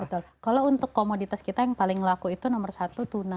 betul kalau untuk komoditas kita yang paling laku itu nomor satu tuna